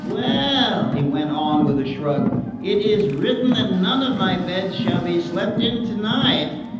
"Well," he went on with a shrug, "it is written that none of my beds shall be slept in tonight.